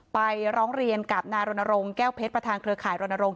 ไปร้องเรียนกับนายรณรงค์แก้วเพชรประธานเครือข่ายรณรงค